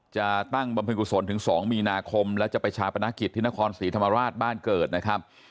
ตั้งบำเพ็ญกุศลถึง๒มีนาคมและจะไปชาปนกิจที่นครศรีธรรมราชบ้านเกิดนะครับ